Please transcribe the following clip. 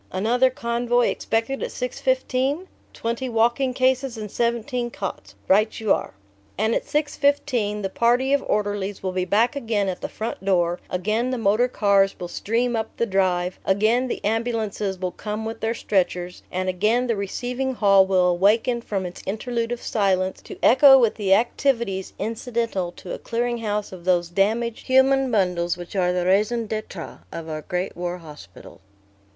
"Another convoy expected at 6.15? Twenty walking cases and seventeen cots. Right you are!" And at 6.15 the party of orderlies will be back again at the front door, again the motor cars will stream up the drive, again the ambulances will come with their stretchers, and again the receiving hall will awaken from its interlude of silence to echo with the activities incidental to a clearing house of those damaged human bundles which are the raison d'être of our great war hospital.